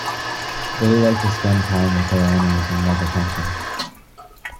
They like to spend time with their owners and love attention.